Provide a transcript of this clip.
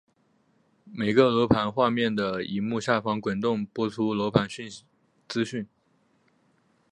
每个楼盘画面的萤幕下方滚动播出楼盘资讯。